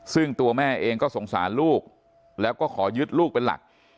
ซึ่งตัวแม่เองก็สงสารลูกแล้วก็ขอยึดลูกเป็นหลัก